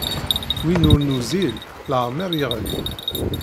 Win ur nuzzil, leɛmeṛ yeɣli.